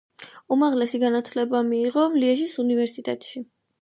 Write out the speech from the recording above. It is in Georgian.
უმაღლესი განათლება მიიღო ლიეჟის უნივერსიტეტში.